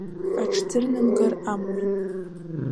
Аҽӡырнамгар амуит.